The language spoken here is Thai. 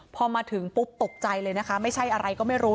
พอมาถึงปุ๊บตกใจเลยนะคะไม่ใช่อะไรก็ไม่รู้